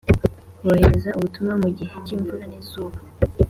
Bohereza ubutumwa mu gihe cyimvura nizuba